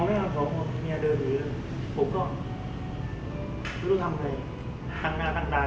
เห็นถึงว่ากำลังใจดีนะ